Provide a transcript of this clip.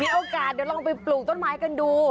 โอกาสเดี๋ยวลองไปปลูกต้นไม้กันดู